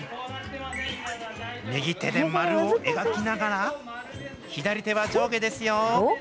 右手で丸を描きながら、左手は上下ですよ。